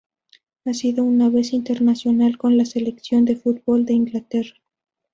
Ha sido una vez internacional con la selección de fútbol de Inglaterra.